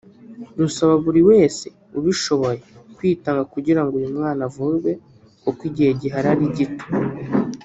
rusaba buri wese ubishoboye kwitanga kugirango uyu mwana avurwe kuko igihe gihari ari gito